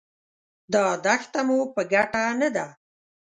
دا دښته مو په ګټه نه ده.